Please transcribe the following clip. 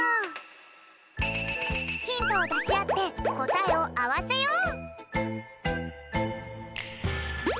ヒントをだしあってこたえをあわせよう。